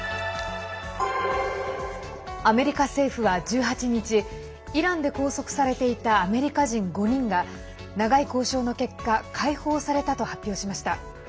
アメリカ政府は１８日イランで拘束されていたアメリカ人５人が長い交渉の結果解放されたと発表しました。